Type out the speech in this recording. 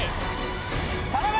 頼む！